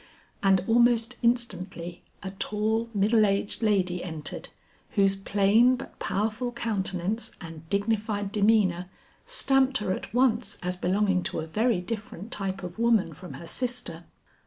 And almost instantly a tall middle aged lady entered, whose plain but powerful countenance and dignified demeanor, stamped her at once as belonging to a very different type of woman from her sister.